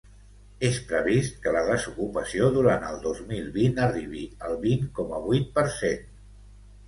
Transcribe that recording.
És previst que la desocupació durant el dos mil vint arribi al vint coma vuit per cent.